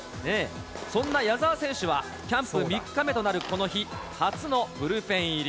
そんな矢澤選手は、キャンプ３日目となるこの日、初のブルペン入り。